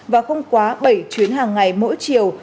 và không quá bảy chuyến hàng ngày mỗi chiều